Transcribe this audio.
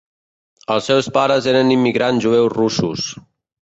Els seus pares eren immigrants jueus russos.